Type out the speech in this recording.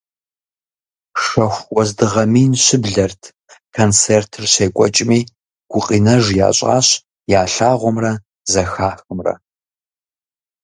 Шэху уэздыгъэ мин щыблэрт концертыр щекӀуэкӀми, гукъинэж ящӀащ ялъагъумрэ зэхахымрэ.